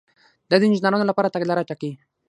دا د انجینر لپاره تګلاره ټاکي.